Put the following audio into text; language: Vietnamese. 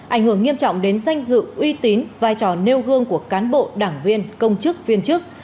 ảnh hưởng nghiêm trọng đến danh dự uy tín vai trò nêu gương của cán bộ đảng viên công chức viên chức